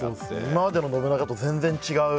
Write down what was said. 今までの信長と全然違う。